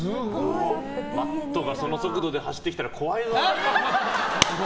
Ｍａｔｔがその速度で走ってきたら怖いわ！